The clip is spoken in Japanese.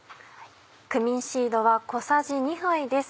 クミンシードは小さじ２杯です。